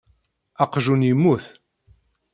Aqjun yemmut.